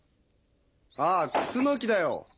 ああクスの木だよ。